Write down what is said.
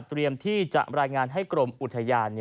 ที่จะรายงานให้กรมอุทยาน